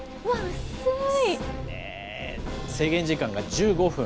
制限時間が１５分。